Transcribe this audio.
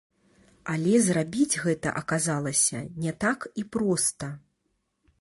Але зрабіць гэта аказалася не так і проста.